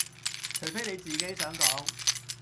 除非你自己想講